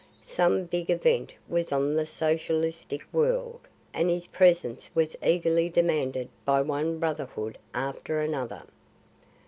Some big event was on in the socialistic world, and his presence was eagerly demanded by one brotherhood after another.